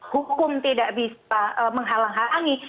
hukum tidak bisa menghalangi